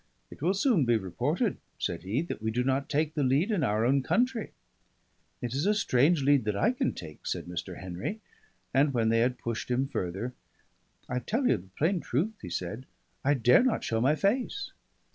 "It will soon be reported," said he, "that we do not take the lead in our own country." "It is a strange lead that I can take," said Mr. Henry; and when they had pushed him further, "I tell you the plain truth," he said: "I dare not show my face."